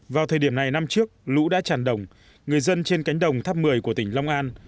vào thời điểm này năm trước lũ đã tràn đồng người dân trên cánh đồng tháp một mươi của tỉnh long an